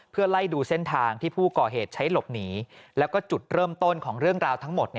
เพื่อไล่ดูเส้นทางที่ผู้ก่อเหตุใช้หลบหนีแล้วก็จุดเริ่มต้นของเรื่องราวทั้งหมด